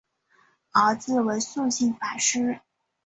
儿子为素性法师。